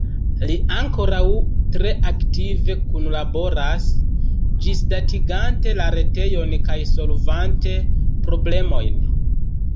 Li ankoraŭ tre aktive kunlaboras, ĝisdatigante la retejon kaj solvante problemojn.